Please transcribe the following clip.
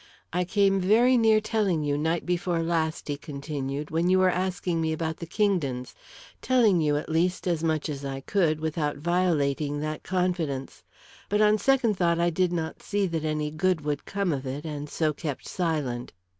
"I came very near telling you night before last," he continued, "when you were asking me about the Kingdons telling you, at least, as much as I could without violating that confidence. But on second thought, I did not see that any good would come of it, and so kept silent.